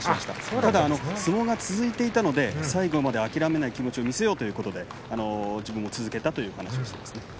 ただ相撲が続いていたので最後まで諦めない気持ちを見せようということで自分のそうですね。